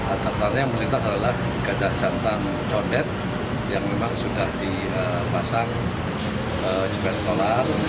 atasannya melintas adalah gajah jantan codet yang memang sudah dipasang juga sekolah